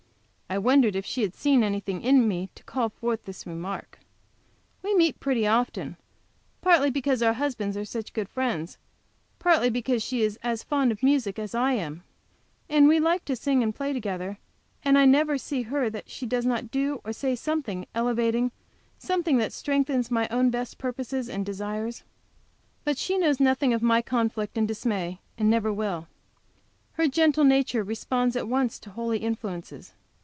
I wondered if she had seen anything in me to call forth this remark. We meet pretty often; partly because our husbands are such good friends, partly because she is as fond of music as I am, and we like to sing and play together, and I never see her that she does not do or say something elevating; something that strengthens my own best purposes and desires. But she knows nothing of my conflict and dismay, and never will. Her gentle nature responds at once to holy influences.